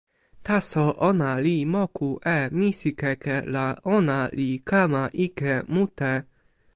taso ona li moku e misikeke la ona li kama ike mute.